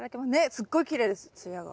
すっごいきれいです艶が。